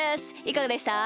いかがでした？